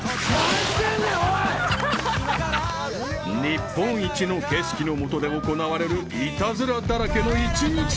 ［日本一の景色の下で行われるイタズラだらけの一日旅］